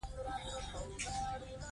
خپل کارونه تنظیم کړئ.